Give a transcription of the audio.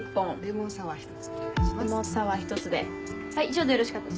以上でよろしかったでしょうか？